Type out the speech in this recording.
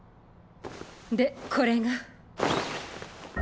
でこれが。